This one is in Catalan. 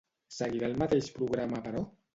Seguirà el mateix programa, però?